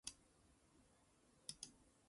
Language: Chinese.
而其手写辨识功能为一大特点。